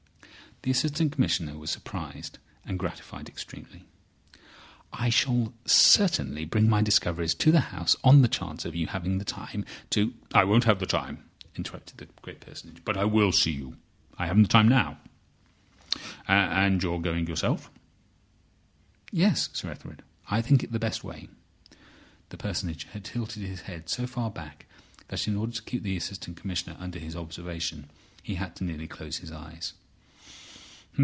The Assistant Commissioner was surprised and gratified extremely. "I shall certainly bring my discoveries to the House on the chance of you having the time to—" "I won't have the time," interrupted the great Personage. "But I will see you. I haven't the time now—And you are going yourself?" "Yes, Sir Ethelred. I think it the best way." The Personage had tilted his head so far back that, in order to keep the Assistant Commissioner under his observation, he had to nearly close his eyes.